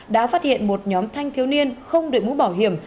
đã phát hiện một nhóm thanh thiếu niên không đội mũ bảo hiểm